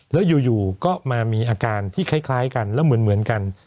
แล้วอยู่ก็มามีอาการที่คล้ายกันแล้วเหมือนกัน